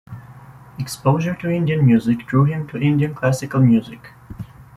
Exposure to Indian music drew him to Indian classical music.